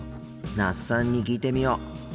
那須さんに聞いてみよう。